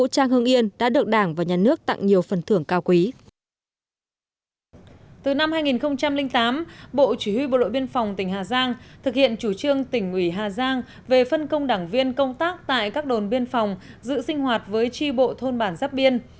từ năm hai nghìn tám bộ chỉ huy bộ đội biên phòng tỉnh hà giang thực hiện chủ trương tỉnh ủy hà giang về phân công đảng viên công tác tại các đồn biên phòng giữ sinh hoạt với tri bộ thôn bản giáp biên